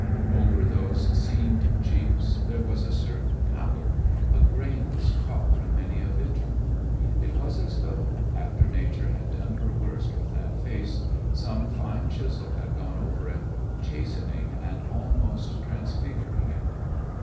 Over those seamed cheeks there was a certain pallor, a grayness caught from many a vigil. It was as though, after Nature had done her worst with that face, some fine chisel had gone over it, chastening and almost transfiguring it.